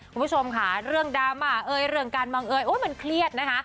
คุณผู้ชมค่ะเรื่องดราม่าเอ่ยเรื่องการบังเอยโอ๊ยมันเครียดนะคะ